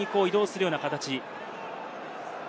横に移動するような形。